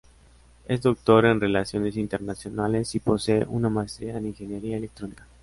Es doctor en relaciones internacionales y posee una maestría en Ingeniería electrónica.